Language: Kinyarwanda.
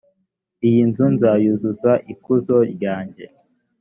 iyi nzu nzayuzuza ikuzo ryanjye